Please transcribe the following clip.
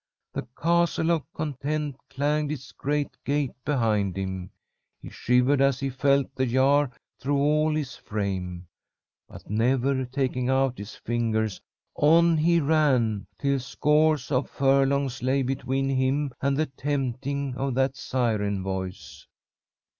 The Castle of Content clanged its great gate behind him. He shivered as he felt the jar through all his frame, but, never taking out his fingers, on he ran, till scores of furlongs lay between him and the tempting of that siren voice.